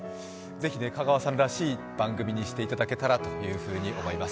ぜひ香川さんらしい番組にしていただけたらと思います。